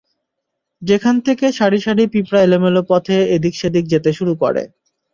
যেখান থেকে সারি সারি পিঁপড়া এলোমেলো পথে এদিক-সেদিক যেতে শুরু করে।